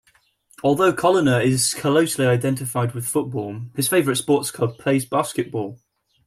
Although Collina is closely identified with football, his favourite sports club plays basketball.